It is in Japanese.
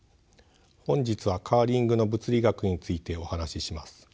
本日はカーリングの物理学についてお話しします。